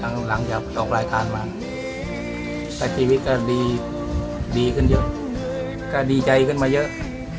ครั้งหลังจะออกรายการมาก็ชีวิตก็ดีดีขึ้นเยอะก็ดีใจขึ้นมาเยอะ